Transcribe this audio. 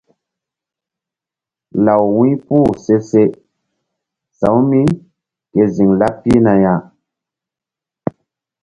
Law wu̧y puh se se sa̧w mí ke ziŋ laɓ pihna ya.